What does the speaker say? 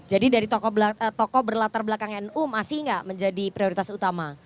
jadi dari toko berlatar belakang nu masih tidak menjadi prioritas utama